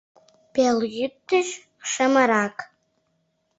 Пелйӱд деч шемырак